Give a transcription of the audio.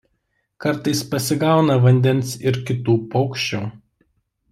Kartais pasigauna vandens ir kitų paukščių.